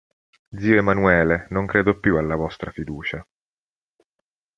Zio Emanuele, non credo più alla vostra fiducia.